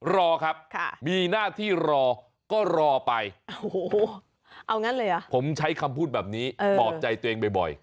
รอครับมีหน้าที่รอก็รอไปผมใช้คำพูดแบบนี้บอกใจตัวเองบ่อย